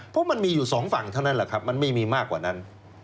เพราะมันมีอยู่สองฝั่งเท่านั้นแหละครับมันไม่มีมากกว่านั้น